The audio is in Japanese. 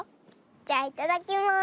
じゃいただきます。